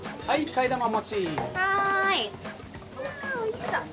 いやおいしそう！